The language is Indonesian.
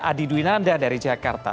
adi duinanda dari jakarta